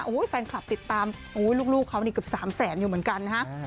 แฟนคลับติดตามลูกเขานี่เกือบ๓แสนอยู่เหมือนกันนะฮะ